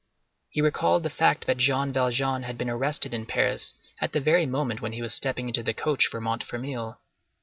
He recalled the fact that Jean Valjean had been arrested in Paris at the very moment when he was stepping into the coach for Montfermeil.